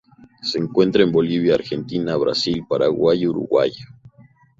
Se encuentra en Bolivia, Argentina, Brasil, Paraguay y Uruguay.